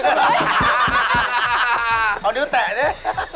เอาดูแตะสิ